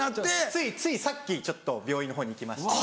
ついついさっきちょっと病院のほうに行きまして。